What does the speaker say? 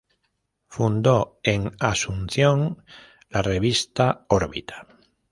Fundó en Asunción la revista "Órbita".